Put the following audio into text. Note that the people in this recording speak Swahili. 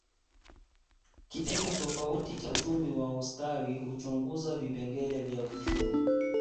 Kitengo tofauti cha uchumi wa ustawi huchunguza vipengele vya uchumi